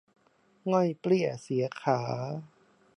ง่อยเปลี้ยเสียขา